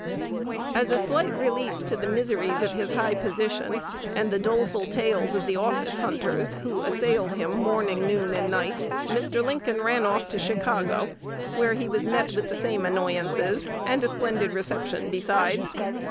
As a slight relief to the miseries of his high position, and the doleful tales of the office hunters, who assailed him morning, noon, and night, Mr. Lincoln ran off to Chicago, where he met with the same annoyances, and a splendid reception besides.